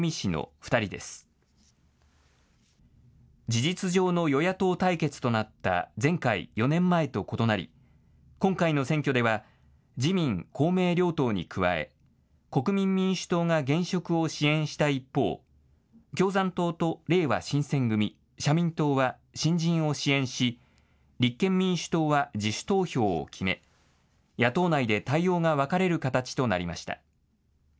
事実上の与野党対決となった、前回・４年前と異なり、今回の選挙では、自民、公明両党に加え、国民民主党が現職を支援した一方、共産党とれいわ新選組、社民党は新人を支援し、立憲民主党は自主投票を決め、野党内で対応が分かれる形となりました。